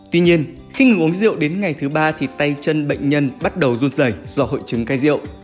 tuy nhiên khi ngừng uống rượu đến ngày thứ ba thì tay chân bệnh nhân bắt đầu run rẩy do hội chứng cai rượu